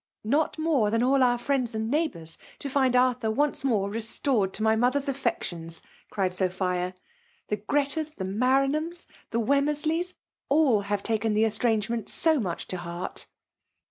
" Not more than all our firiends and neigh bours^ to find Arthur once more restored to my mother's affections !" cried Sophia ;'' the Gretas^ the Maranhams, tiie Wemmersleys, sU have taken the estrangement so much to heart."